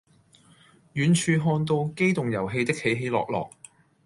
遠處看到機動遊戲的起起落落